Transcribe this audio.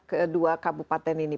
kedua kabupaten ini